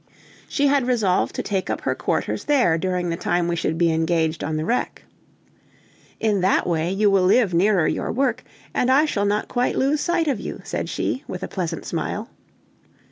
She had resolved to take up her quarters there during the time we should be engaged on the wreck. "In that way you will live nearer your work, and I shall not quite lose sight of you!" said she, with a pleasant smile.